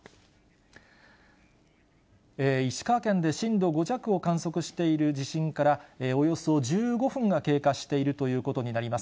石川県で震度５弱を観測している地震から、およそ１５分が経過しているということになります。